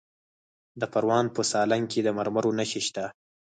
د پروان په سالنګ کې د مرمرو نښې شته.